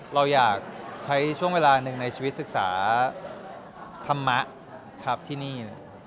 ฉันอยากใช้ช่วงเวลาในชีวิตศึกษาธรรมะที่นี่